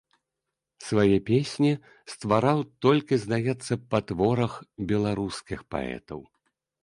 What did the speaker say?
Свае песні ствараў толькі, здаецца, па творах беларускіх паэтаў.